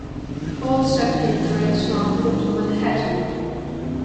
All Saturday trains run through to Manhattan.